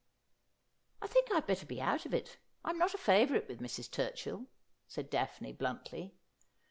' I think I'd better be out of it. I'm not a favourite with Mrs. Turchill,' said Daphne bluntly.